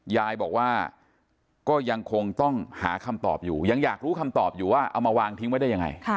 ยายบอกว่าก็ยังคงต้องหาคำตอบอยู่ยังอยากรู้คำตอบอยู่ว่าเอามาวางทิ้งไว้ได้ยังไง